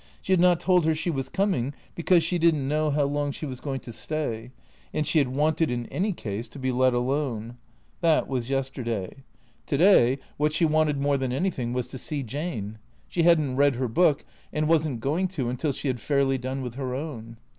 She had not told her she was coming, because she did n't know how long she was going to stay, and she had wanted, in any case, to be let alone. That was yesterday. To day what she 376 THECEEATORS wanted more than anything was to see Jane. She had n't read her book, and was n't going to until she had fairly done with her own.